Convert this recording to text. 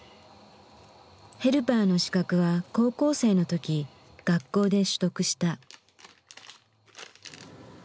ヘルパーの資格は高校生の時学校で取得した。